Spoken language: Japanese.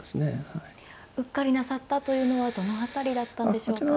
うっかりなさったというのはどの辺りだったんでしょうか。